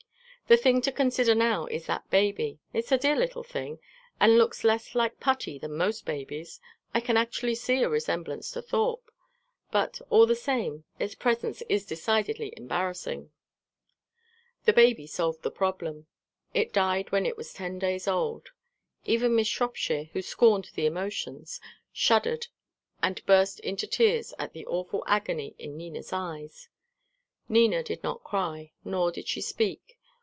"The thing to consider now is that baby. It's a dear little thing, and looks less like putty than most babies; I can actually see a resemblance to Thorpe. But, all the same, its presence is decidedly embarrassing." The baby solved the problem. It died when it was ten days old. Even Miss Shropshire, who scorned the emotions, shuddered and burst into tears at the awful agony in Nina's eyes. Nina did not cry, nor did she speak.